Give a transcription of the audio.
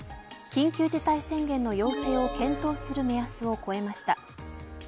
緊急事態宣言の要請を検討する目安を超えました。